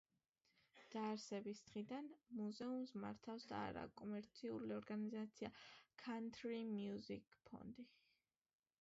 დაარსების დღიდან მუზეუმს მართავს არაკომერციული ორგანიზაცია „ქანთრი მუსიკის ფონდი“.